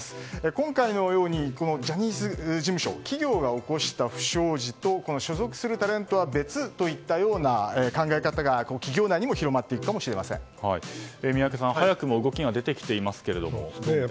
今回のようにジャニーズ事務所企業が起こした不祥事と所属したタレントは別といったような考え方が企業内にも宮家さん、早くも動きが出てきていますけれども。